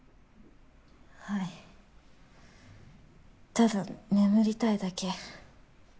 ただ眠りたいだけ。